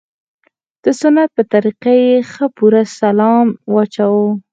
د سنت په طريقه يې ښه پوره سلام واچاوه.